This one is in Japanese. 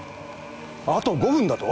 あと５分だと？